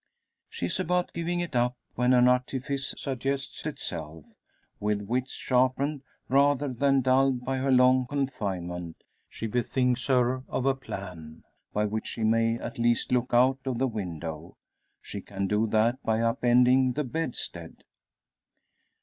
She is about giving it up, when an artifice suggests itself. With wits sharpened, rather than dulled by her long confinement she bethinks her of a plan, by which she may at least look out of the window. She can do that by upending the bedstead!